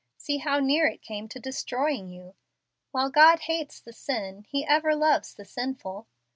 See how near it came to destroying you. While God hates the sin, He ever loves the sinful."